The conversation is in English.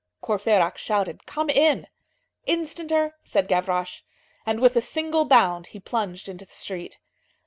Courfeyrac shouted:—"Come in!" "Instanter," said Gavroche. And with a single bound he plunged into the street.